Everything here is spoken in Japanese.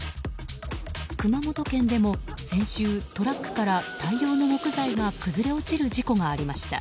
熊本県でも先週、トラックから大量の木材が崩れ落ちる事故がありました。